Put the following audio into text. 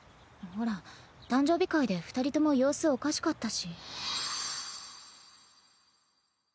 ほら誕生日会で二人とも様子おかしかったし。